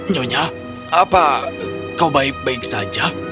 nyonya apa kau baik baik saja